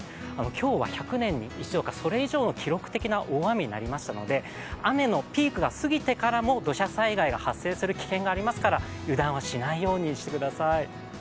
今日は１００年に一度か、それ以上に記録的な大雨になりましたので雨のピークが過ぎてからも土砂災害が発生する危険がありますから油断はしないようにしてください。